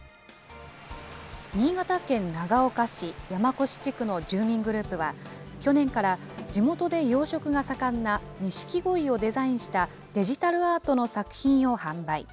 新潟県長岡市山古志地区の住民グループは、去年から地元で養殖が盛んなにしきごいをデザインしたデジタルアートの作品を販売。